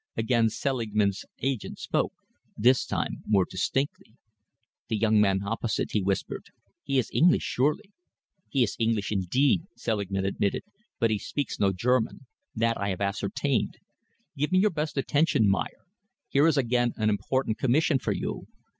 Again Selingman's agent spoke, this time more distinctly. "The young man opposite," he whispered. "He is English, surely?" "He is English indeed," Selingman admitted, "but he speaks no German. That I have ascertained. Give me your best attention, Meyer. Here is again an important commission for you.